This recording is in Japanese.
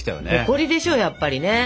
誇りでしょやっぱりね。